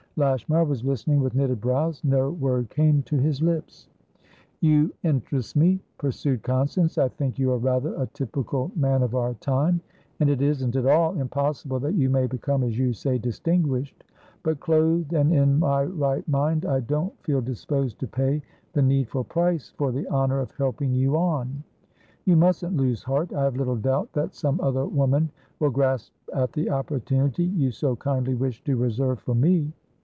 Lashmar was listening with knitted brows. No word came to his lips. "You interest me," pursued Constance. "I think you are rather a typical man of our time, and it isn't at all impossible that you may become, as you say, distinguished. But, clothed and in my right mind, I don't feel disposed to pay the needful price for the honour of helping you on. You mustn't lose heart; I have little doubt that some other woman will grasp at the opportunity you so kindly wish to reserve for me.